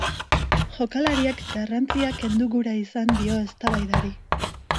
Jokalariak garrantzia kendu gura izan dio eztabaidari.